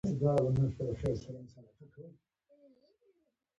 د جوار ګل د پښتورګو لپاره وکاروئ